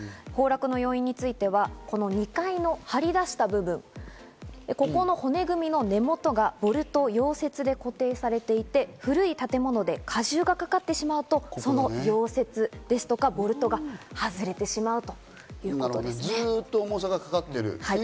崩落の要因については２階の張り出した部分、ここの骨組みの根元がボルト、溶接で固定されていて古い建物で荷重がかかってしまうと、その溶接ですとか、ボルトが外れてしまう。